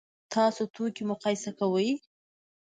تاسو توکي مقایسه کوئ؟